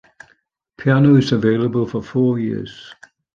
Piano is available for four years.